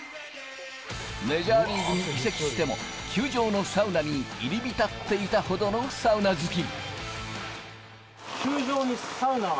メジャーリーグに移籍しても、球場のサウナに入りびたっていたほどのサウナ好き。